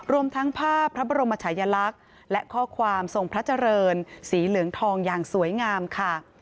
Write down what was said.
รวมทั้งภาพพระบรมชายลักษณ์และข้อความทรงพระเจริญสีเหลืองทองอย่างสวยงามค่ะ